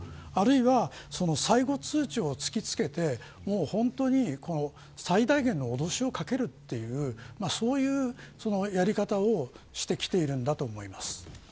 あるいは最後通知を突きつけて最低限の脅しをかけるというそういうやり方をしてきているんだと思います。